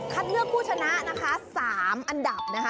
เลือกผู้ชนะนะคะ๓อันดับนะคะ